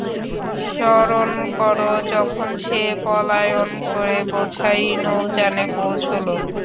স্মরণ কর, যখন সে পলায়ন করে বোঝাই নৌযানে পৌঁছল।